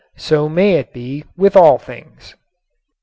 So may it be with all things.